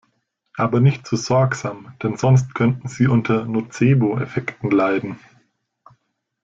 Aber nicht zu sorgsam, denn sonst könnten Sie unter Nocebo-Effekten leiden.